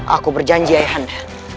aku berjanji ayahanda